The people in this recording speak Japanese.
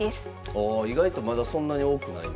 ああ意外とまだそんなに多くないんですね。